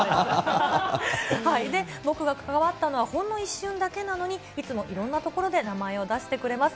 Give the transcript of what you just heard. で、僕が関わったのは、ほんの一瞬だけなのに、いつもいろんな所で名前を出してくれます。